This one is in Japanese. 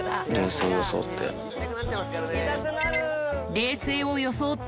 冷静を装って。